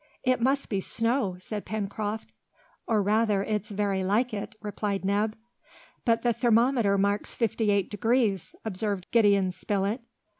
"It must be snow!" said Pencroft. "Or rather it's very like it!" replied Neb. "But the thermometer marks fifty eight degrees!" observed Gideon Spilett.